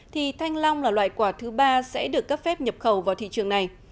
thì thanh long là loại quả thứ ba sẽ được cấp phép nhập khẩu vào thị trường này